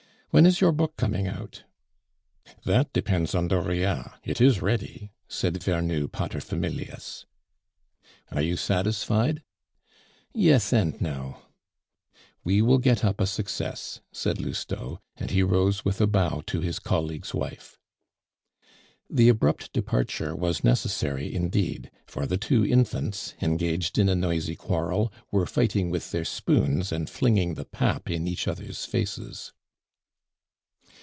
"When is your book coming out?" "That depends on Dauriat; it is ready," said Vernou pater familias. "Are you satisfied?" "Yes and no " "We will get up a success," said Lousteau, and he rose with a bow to his colleague's wife. The abrupt departure was necessary indeed; for the two infants, engaged in a noisy quarrel, were fighting with their spoons, and flinging the pap in each other's faces.